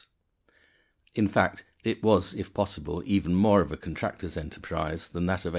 In fact, it was, if possible, even more of a contractor's enterprise than that of 1865.